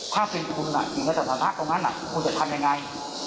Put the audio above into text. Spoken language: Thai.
ถ้าเป็นคุณอยู่ในสถานะตรงนั้นคุณจะทำยังไง